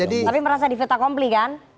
tapi merasa di seta kompli kan